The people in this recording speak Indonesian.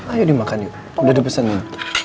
ayo dimakan yuk udah dipesanin